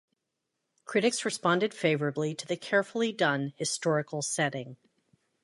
Critics responded favourably to the carefully done historical setting.